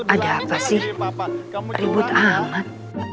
ada apa sih ribut amat